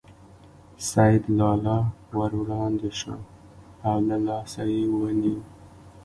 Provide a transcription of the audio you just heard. سیدلال ور وړاندې شو او له لاسه یې ونیو.